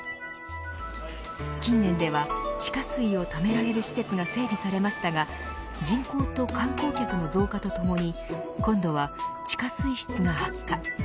近年では地下水をためられる施設が整備されましたが人口と観光客の増加とともに今度は、地下水質が悪化。